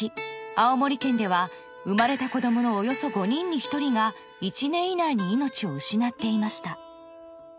青森県では生まれた子供のおよそ５人に１人が１年以内に命を失っていました］